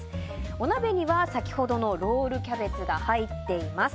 お鍋には先ほどのロールキャベツが入っています。